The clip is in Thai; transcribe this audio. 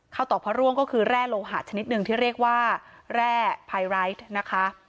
ตอกพระร่วงก็คือแร่โลหะชนิดหนึ่งที่เรียกว่าแร่ไพไร้นะคะ